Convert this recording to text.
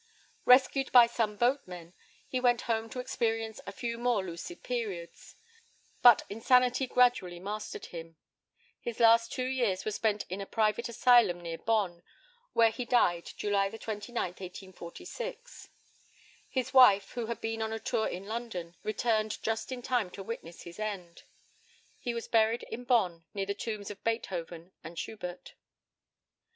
Rescued by some boatmen, he went home to experience a few more lucid periods, but insanity gradually mastered him. His last two years were spent in a private asylum near Bonn, where he died July 29, 1846. His wife, who had been on a tour in London, returned just in time to witness his end. He was buried in Bonn, near the tombs of Beethoven and Schubert.